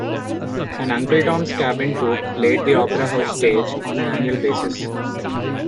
An "Uncle Tom's Cabin" troupe played the Opera House stage on an annual basis.